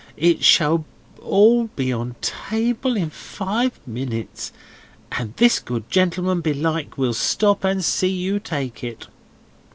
It shall all be on table in five minutes, and this good gentleman belike will stop and see you take it."